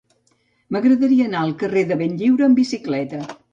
M'agradaria anar al carrer de Benlliure amb bicicleta.